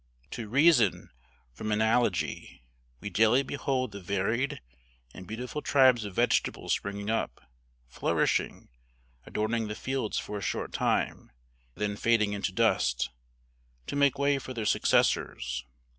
To reason from analogy, we daily behold the varied and beautiful tribes of vegetables springing up, flourishing, adorning the fields for a short time, and then fading into dust, to make way for their successors.